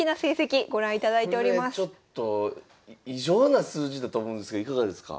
これちょっと異常な数字だと思うんですけどいかがですか？